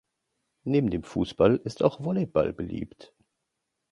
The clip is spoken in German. Neben dem Fußball ist auch Volleyball beliebt.